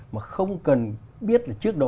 mà không cần biết là trước đó